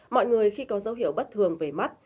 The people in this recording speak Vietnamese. mọi người khi có dấu hiệu bất thường về mắt